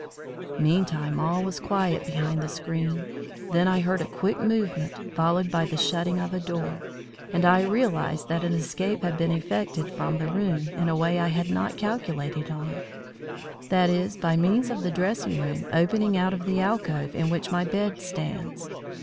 Meantime all was quiet behind the screen. Then I heard a quick movement, followed by the shutting of a door, and I realised that an escape had been effected from the room in a way I had not calculated on that is, by means of the dressing room opening out of the alcove in which my bed stands.